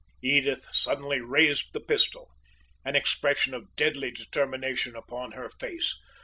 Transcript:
Edith suddenly raised the pistol an expression of deadly determination upon her face.